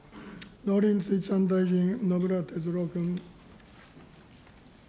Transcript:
農林水産大臣、野村哲郎君。